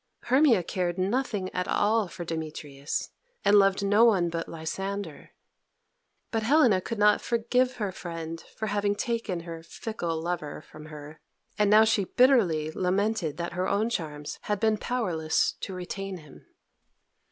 Hermia cared nothing at all for Demetrius, and loved no one but Lysander. But Helena could not forgive her friend for having taken her fickle lover from her, and now she bitterly lamented that her own charms had been powerless to retain him.